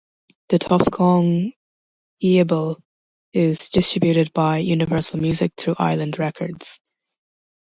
The Tuff Gong label is distributed by Universal Music through Island Records.